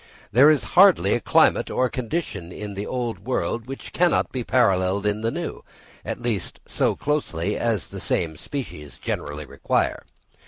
There is hardly a climate or condition in the Old World which cannot be paralleled in the New—at least so closely as the same species generally require.